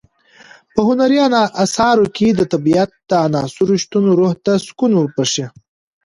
په هنري اثارو کې د طبیعت د عناصرو شتون روح ته سکون بښي.